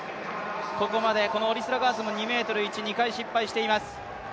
ここまでオリスラガース、２ｍ１、１回失敗しています。